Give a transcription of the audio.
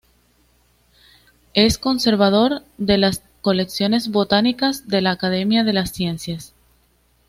Es conservador de las colecciones botánicas de la Academia de las ciencias.